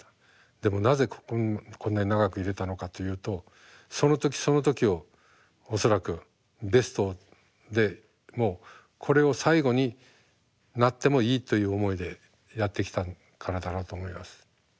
でもなぜこんなに長くいれたのかというとその時その時を恐らくベストで「もうこれを最後になってもいい」という思いでやってきたからだなと思います。